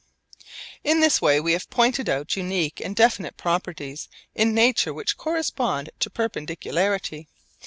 In this way we have pointed out unique and definite properties in nature which correspond to perpendicularity.